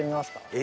え！